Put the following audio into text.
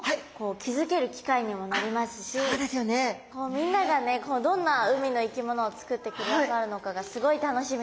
みんながねどんな海の生き物を作ってくださるのかがすごい楽しみです。